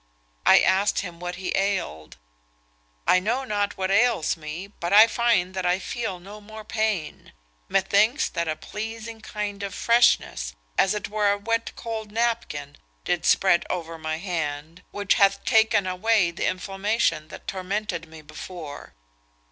I asked him what he ailed? 'I know not what ails me, but I find that I feel no more pain. Methinks that a pleasing kind of freshness, as it were a wet cold napkin, did spread over my hand, which hath taken away the inflammation that tormented me before.'